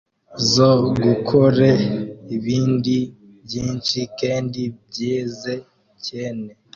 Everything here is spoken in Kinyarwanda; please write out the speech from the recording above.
zo gukore ibindi byinshi kendi byize cyene.